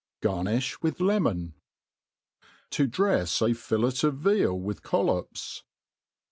Garnifli with lemon. To drefs a Filltt of Feal with Collofs.